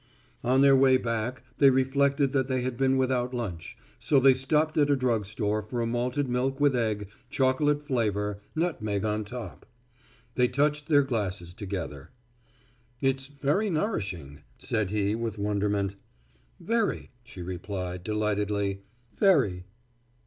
On their way back they reflected that they had been without lunch, so they stopped at a drug store for a malted milk with egg, chocolate flavor, nutmeg on top. They touched their glasses together. "It's very nourishing," said he with wonderment. "Very," she replied, delightedly; "very."